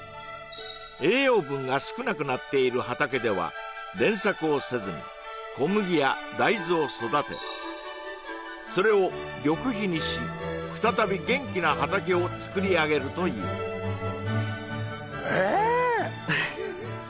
栄養分が少なくなっている畑では連作をせずに小麦や大豆を育てそれを緑肥にし再び元気な畑をつくり上げるというええっ！？